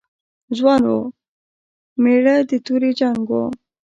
ځوان و، مېړه د تورې جنګ و.